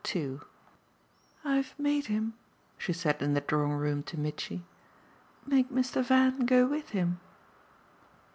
II "I've made him," she said in the drawing room to Mitchy, "make Mr. Van go with him."